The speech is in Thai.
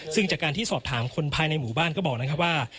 ซึ่งจากการที่สอบถามคนภายในหมู่บ้านก็บอกนะครับว่า